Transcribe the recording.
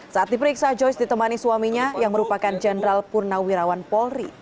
saat diperiksa joyce ditemani suaminya yang merupakan jenderal purnawirawan polri